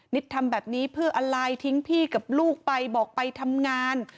ทำแบบนี้เพื่ออะไรทิ้งพี่กับลูกไปบอกไปทำงาน